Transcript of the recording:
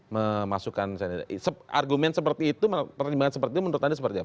memasukkan argumen seperti itu pertimbangan seperti itu menurut anda seperti apa